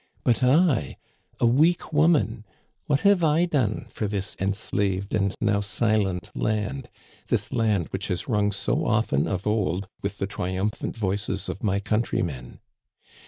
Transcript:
But I, a weak woman, what have I done for this enslaved and now silent land, this land which has rung so often of old with the triumphant voices of my countrymen?